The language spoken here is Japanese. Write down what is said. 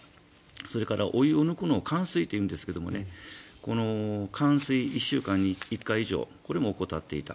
それからお湯を抜くのを換水というんですが換水、１週間に１回以上これも怠っていた。